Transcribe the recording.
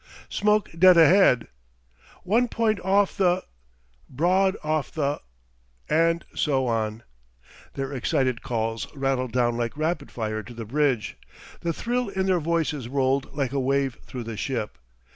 Smoke dead ahead.... One point off the ... Broad off the ..." and so on. Their excited calls rattled down like rapid fire to the bridge; the thrill in their voices rolled like a wave through the ship.